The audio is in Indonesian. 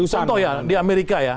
contoh ya di amerika ya